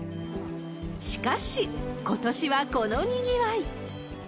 しかし、ことしはこのにぎわい。